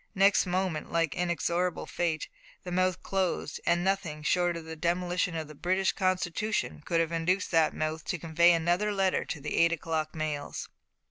Next moment, like inexorable fate, the mouth closed, and nothing short of the demolition of the British Constitution could have induced that mouth to convey another letter to the eight o'clock mails.